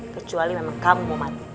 kecuali memang kamu mau mati